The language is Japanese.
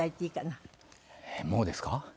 えっもうですか？